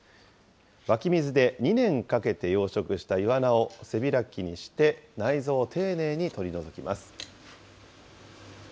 湧き水で２年かけて養殖したイワナを背開きにして、内臓を丁寧に取り除きます。